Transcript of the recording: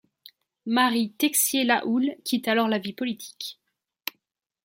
Marie Texier-Lahoulle quitte alors la vie politique.